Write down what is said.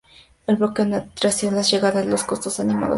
El bloque nació tras la llegada de los cortos animados de Warner Bros.